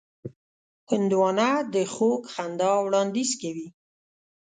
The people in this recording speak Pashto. هندوانه د خوږ خندا وړاندیز کوي.